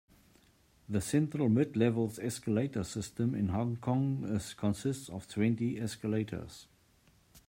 The Central-Midlevels escalator system in Hong Kong consists of twenty escalators.